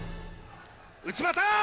内股！